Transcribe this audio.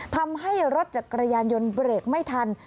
ทำให้รถจักรยานยนต์เบรกไม่ทัน